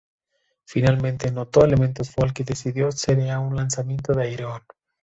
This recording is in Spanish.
Finalmente, notó elementos folk y decidió sería un lanzamiento de Ayreon.